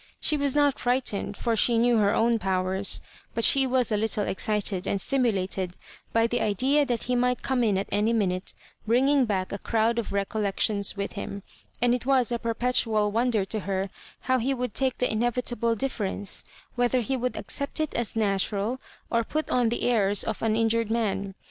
She was not frightened, for she knew her own powers ; but she was a little excited and stimulated by the idea that he might come in at any minute, bringing back a crowd of recollections with him ; and it was a perpetu al wonder to her how he would take the inevi table difference, whether he would accept it as natural, or put on the airs of an injured man.